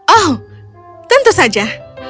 oh tentu saja